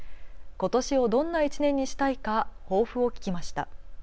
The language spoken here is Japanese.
ことしをどんな１年にしたいか抱負を聞きました。